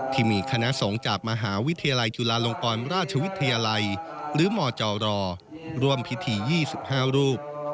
ที่มีคณะสงฆ์จากมหาวิทยาลัยจุฬาลงกรราชวิทยาลัยหรือมจรร่วมพิธี๒๕รูป